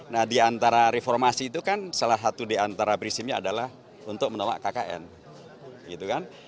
nah di antara reformasi itu kan salah satu di antara prinsipnya adalah untuk menolak kkn